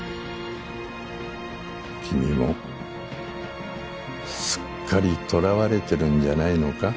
君もすっかりとらわれてるんじゃないのか？